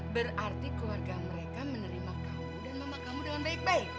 berarti keluarga mereka menerima kamu dan memekamu dengan baik baik